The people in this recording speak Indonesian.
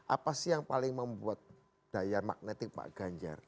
apa sih yang paling membuat daya magnetik pak ganjar